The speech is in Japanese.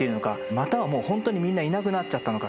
またはもうほんとにみんないなくなっちゃったのか。